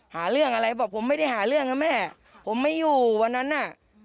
หาเรื่องอะไรบอกผมไม่ได้หาเรื่องนะแม่ผมไม่อยู่วันนั้นน่ะ